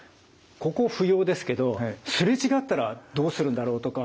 ここ不要ですけどすれ違ったらどうするんだろうとか。